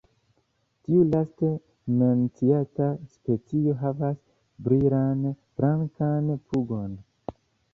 Tiu laste menciata specio havas brilan blankan pugon.